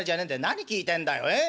何聞いてんだよええ？